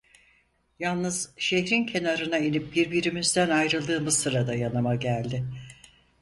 Yalnız şehrin kenarında inip birbirimizden ayrıldığımız sırada yanıma geldi.